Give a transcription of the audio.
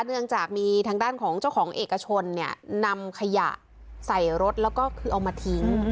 เนื่องจากมีทางด้านของเจ้าของเอกชนเนี่ยนำขยะใส่รถแล้วก็คือเอามาทิ้ง